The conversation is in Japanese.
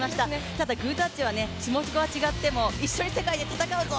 ただ、グータッチは、種目は違っても一緒に世界で戦うぞ！